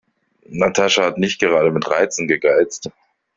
Natascha hat nicht gerade mit Reizen gegeizt.